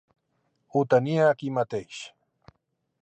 Ho tenia aquí mateix.